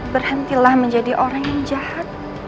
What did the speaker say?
berhentilah menjadi orang yang jahat